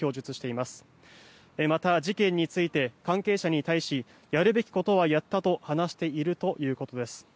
また、事件について関係者に対しやるべきことはやったと話しているということです。